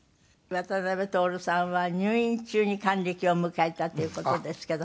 「渡辺徹さんは入院中に還暦を迎えたという事ですけど。